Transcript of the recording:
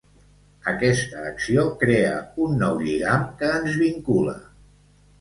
Aquesta acció crea un nou lligam que ens vincula.